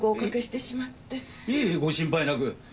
いえご心配なく。